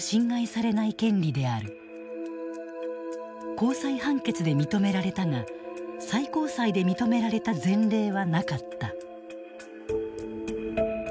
高裁判決で認められたが最高裁で認められた前例はなかった。